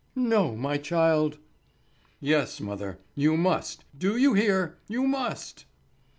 "No, my child." "Yes, mother, you must; do you hear? You must."